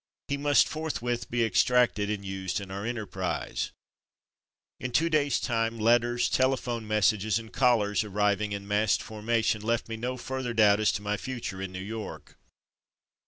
He must forthwith be extracted and used in our enterprise. " In two days' time letters, telephone mes sages, and callers arriving in massed forma Speech Making 305 tion, left me no further doubt as to my future in New York.